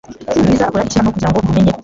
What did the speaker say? Bwiza akora iki hano kugirango mbi menye